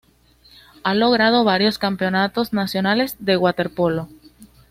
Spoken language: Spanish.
Ha logrado varios campeonatos nacionales de waterpolo.